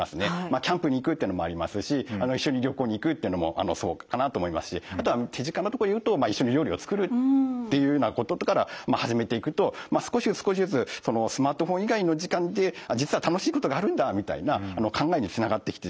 キャンプに行くっていうのもありますし一緒に旅行に行くっていうのもそうかなと思いますしあとは手近なところでいうと一緒に料理を作るっていうようなことから始めていくと少しずつ少しずつスマートフォン以外の時間って実は楽しいことがあるんだみたいな考えにつながってきてですね